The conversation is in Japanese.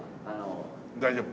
大丈夫？